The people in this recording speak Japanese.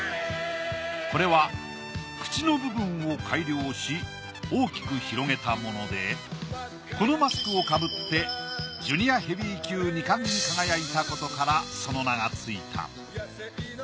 これは口の部分を改良し大きく広げたものでこのマスクを被ってジュニアヘビー級二冠に輝いたことからその名がついた。